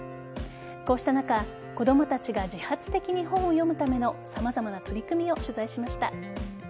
こうした中、子供たちが自発的に本を読むための様々な取り組みを取材しました。